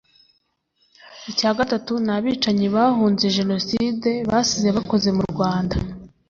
Icya gatatu ni abicanyi bahunze Jenoside basize bakoze mu rwanda